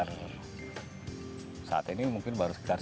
rata rata sih mungkin baru sekitar sepuluh an